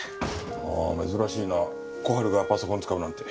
ああ珍しいな小春がパソコンを使うなんて。